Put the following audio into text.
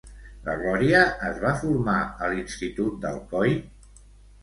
La Gloria es va formar a l'institut d'Alcoi?